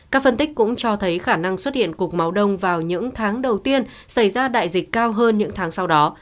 các phân tích cũng cho thấy khả năng xuất hiện cục máu đông vào những tháng đầu tiên xảy ra đại dịch cao hơn những tháng sau đó